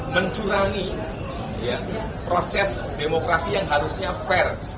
mencurangi proses demokrasi yang harusnya fair